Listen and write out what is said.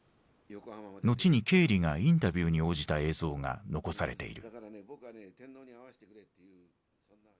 後にケーリがインタビューに応じた映像が残されている。